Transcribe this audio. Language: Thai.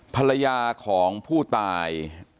ภรรยาของผู้ตาย